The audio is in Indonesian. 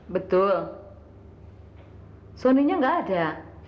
betul sonny nya nggak ada